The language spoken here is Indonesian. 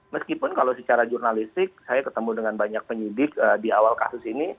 meskipun kalau secara jurnalistik saya ketemu dengan banyak penyidik di awal kasus ini